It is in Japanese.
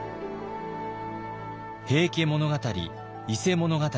「平家物語」「伊勢物語」